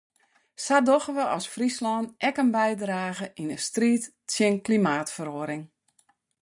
Sa dogge we as Fryslân ek in bydrage yn de striid tsjin klimaatferoaring.